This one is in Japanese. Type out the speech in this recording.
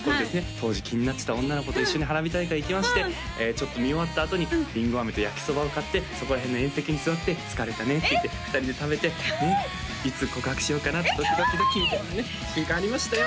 当時気になってた女の子と一緒に花火大会行きましてちょっと見終わったあとにりんごあめと焼きそばを買ってそこら辺の縁石に座って「疲れたね」って言って２人で食べて「いつ告白しようかなドキドキドキ」みたいなね瞬間ありましたよ